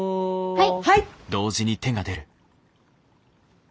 はい！